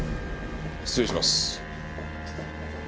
失礼します。